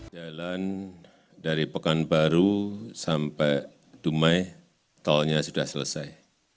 jalan dari pekanbaru sampai dumai tolnya sudah selesai